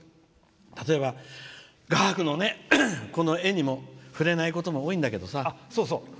例えば、画伯のこの絵にも、触れないことも多いんだけどさ。